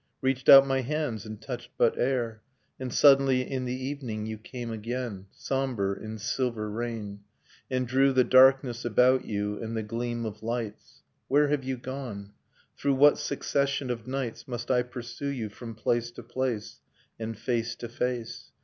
Reached out my hands and touched but air. And suddenly, in the evening, you came again, Sombre, in silver rain. And drew the darkness about you, and the gleam of lights ... Where have you gone? Through what succession of nights Must I pursue you from place to place. And face to face?